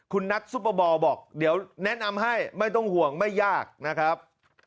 คุณนัทซุปเปอร์บอลบอกเดี๋ยวแนะนำให้ไม่ต้องห่วงไม่ยากนะครับ